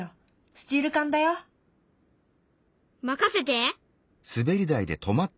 スチール缶だよ。任せて！